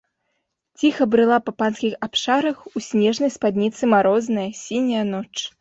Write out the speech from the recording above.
Ціха брыла па панскіх абшарах у снежнай спадніцы марозная сіняя ноч.